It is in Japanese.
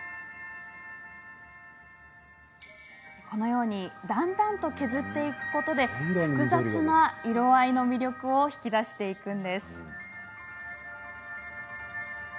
このようにだんだんと削っていくことで複雑な色合いの魅力を引き出していくんです。